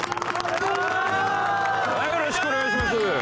よろしくお願いします。